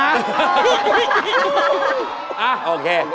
อ่ะโอเค